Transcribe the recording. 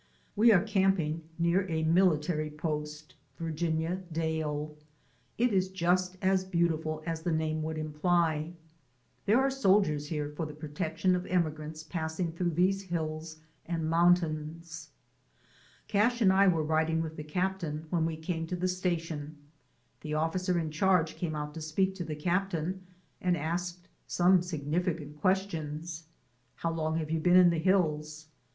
We are camping near a mihtary post — Virginia Dale. It is just as beautiful as the name would imply. There are soldiers here for the protection of emigrants passing through these hills and mountains. Cash and I were riding with the captain when we came to the station. The officer in charge came out to speak to the captain and asked some significant questions, "How long have you been in the hills ?"